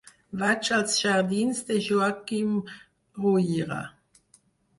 Vaig als jardins de Joaquim Ruyra.